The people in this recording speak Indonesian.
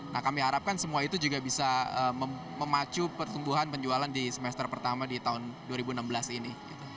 nah kami harapkan semua itu juga bisa memacu pertumbuhan penjualan di semester pertama di tahun dua ribu enam belas ini